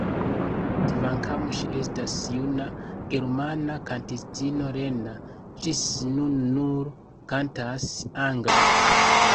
Kvankam ŝi estas juna germana kantistino Lena ĝis nun nur kantas angle.